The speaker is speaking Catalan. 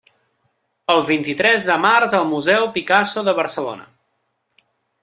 El vint-i-tres de març al Museu Picasso de Barcelona.